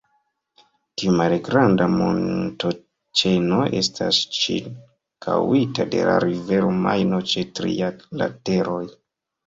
Tiu malgranda montoĉeno estas ĉirkaŭita de la rivero Majno ĉe tri lateroj.